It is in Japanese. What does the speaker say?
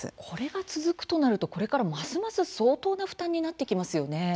これが続くとなるとこれからますます相当な負担になってきますよね。